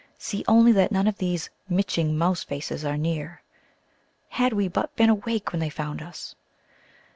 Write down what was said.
See only that none of these miching mouse faces are near. Had we but been awake when they found us!..."